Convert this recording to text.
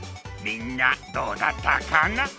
みんなどうだったかな？